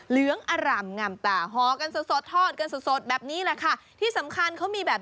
เหลืองอร่ำงามตาห่อกันสดสดทอดกันสดสดแบบนี้แหละค่ะที่สำคัญเขามีแบบ